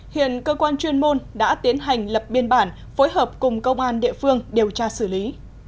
hiện cơ quan chuyên môn đã tiến hành lập biên bản phối hợp cùng công an địa phương điều tra xử lý